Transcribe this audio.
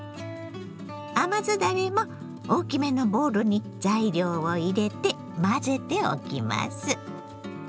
甘酢だれも大きめのボウルに材料を入れて混ぜておきます。